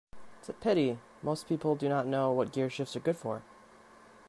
It's a pity most people do not know what gearshifts are good for.